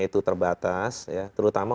itu terbatas terutama